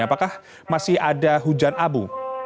apakah masih ada hujan abu